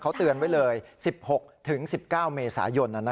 เขาเตือนไว้เลย๑๖๑๙เมษายน